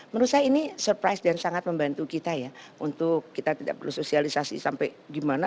menurut saya ini surprise dan sangat membantu kita ya untuk kita tidak perlu sosialisasi sampai gimana